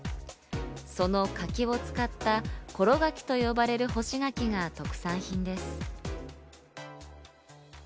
その柿を使った、ころ柿と呼ばれる干し柿が特産品です。